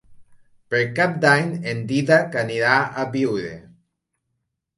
Per Cap d'Any en Dídac anirà a Biure.